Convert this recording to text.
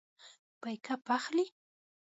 بیک اپ اخلئ؟